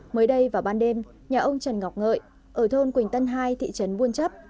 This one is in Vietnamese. mới đây vào ban đêm nhà ông trần ngọc ngợi ở thôn quỳnh tân hai thị trấn buôn chấp